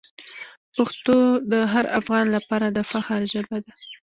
پښتو د هر افغان لپاره د فخر ژبه ده.